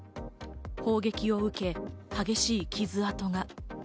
砲撃を受け、激しい傷跡が。